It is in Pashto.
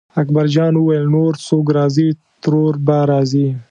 اکبرجان وویل نور څوک راځي ترور به راځي.